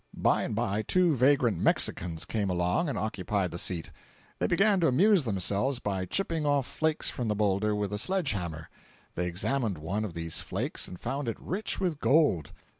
By and by two vagrant Mexicans came along and occupied the seat. They began to amuse themselves by chipping off flakes from the boulder with a sledge hammer. They examined one of these flakes and found it rich with gold.